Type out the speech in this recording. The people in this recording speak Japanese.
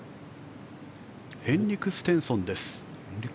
ヘンリク・ステンソンです。